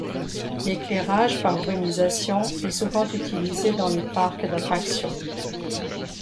L'éclairage par brumisation est souvent utilisé dans les parcs d'attraction.